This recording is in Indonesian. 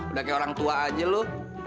udah kayak orang tua aja loh